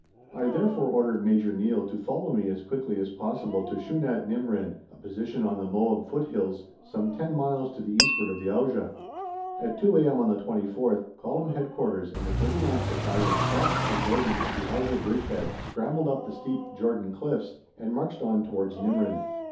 I therefore ordered Major Neill to follow me as quickly as possible to Shunat Nimrin, a position on the Moab foothills, some ten miles to the eastward of the Auja. At 2 a.m. on the 24th, Column Headquarters and the 39th Battalion crossed the Jordan at the Auja bridgehead, scrambled up the steep Jordan cliffs, and marched on towards Nimrin.